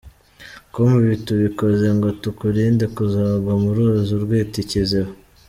com ibi tubikoze ngo tukurinde kuzagwa mu ruzi urwita ikiziba.